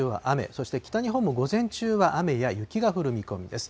そして北日本も午前中は雨や雪が降る見込みです。